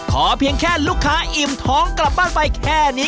เพียงแค่ลูกค้าอิ่มท้องกลับบ้านไปแค่นี้